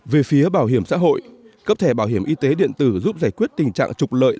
về phía bảo hiểm xã hội cấp thẻ bảo hiểm y tế điện tử giúp giải quyết tình trạng trục lợi